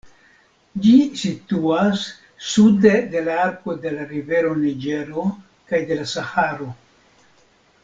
Ĝi situas sude de la arko de la rivero Niĝero kaj de la Saharo.